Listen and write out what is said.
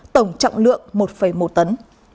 tổng trọng lượng một một tấn